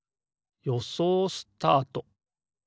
よそうスタート。